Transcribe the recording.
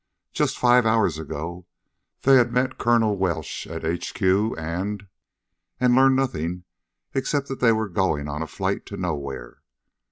Just five hours ago they had met Colonel Welsh at H.Q., and and learned nothing except that they were going on a flight to nowhere.